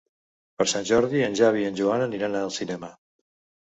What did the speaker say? Per Sant Jordi en Xavi i en Joan aniran al cinema.